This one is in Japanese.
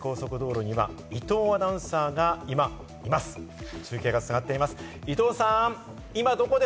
その東名高速道路には伊藤アナウンサーが今います。